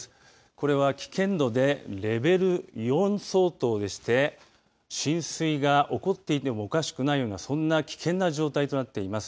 これは危険度でレベル４相当でして浸水が起こっていてもおかしくないようなそんな危険な状態となっています。